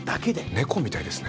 猫みたいですね。